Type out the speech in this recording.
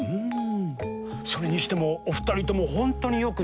それにしてもお二人とも本当によく似てますね。